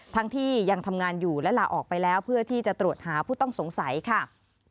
ทั้งที่ยังทำงานอยู่และลาออกไปแล้วเพื่อที่จะตรวจหาผู้ต้องสงสัยค่ะ